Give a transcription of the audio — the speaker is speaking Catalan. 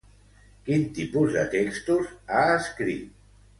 Quin tipus de textos ha escrit?